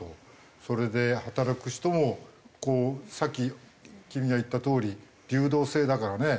それで働く人もさっき君が言ったとおり流動性だからね。